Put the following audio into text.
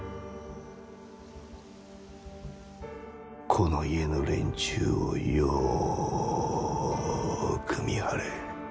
この家の連中をよく見張れ。